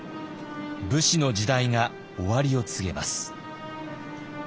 武士の時代が終わりを告げます。